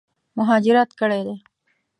مهاجرت کړی دی.